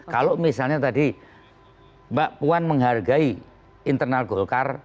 kalau misalnya tadi mbak puan menghargai internal golkar